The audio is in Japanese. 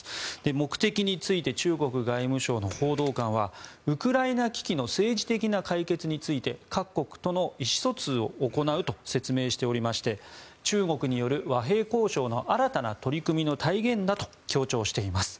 目的について中国外務省の報道官はウクライナ危機の政治的な解決について各国との意思疎通を行うと説明しておりまして中国による和平交渉の新たな取り組みの体現だと強調しています。